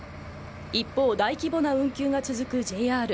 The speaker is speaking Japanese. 一方、大規模な運休が続くＪＲ。